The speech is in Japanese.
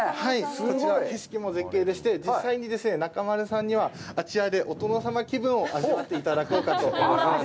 こちらは景色も絶景でして、実際に中丸さんにはあちらでお殿様気分を味わっていただこうかと思います。